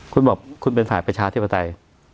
คุณบอกคุณเป็นฝ่ายประชาธิปไตย